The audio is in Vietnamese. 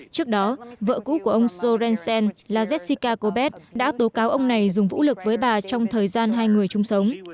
trước đó vợ cũ của ông sorensen là jesica cobet đã tố cáo ông này dùng vũ lực với bà trong thời gian hai người chung sống